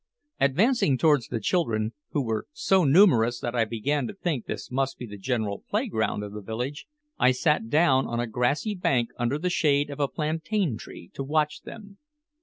Advancing towards the children, who were so numerous that I began to think this must be the general playground of the village, I sat down on a grassy bank under the shade of a plantain tree to watch them.